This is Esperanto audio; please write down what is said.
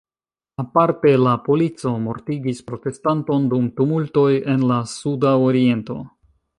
Aparte la polico mortigis protestanton dum tumultoj en la sudaoriento.